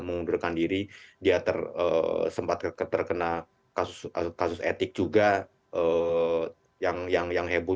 mengundurkan diri dia tersempat ke terkena kasus kasus etik juga yang yang yang heboh